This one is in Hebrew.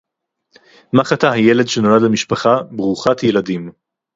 מה חטא הילד שנולד למשפחה ברוכת ילדים